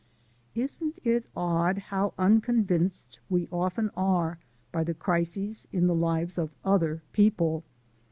Isn't it odd how unconvinced we often are by the crises in the lives of other people?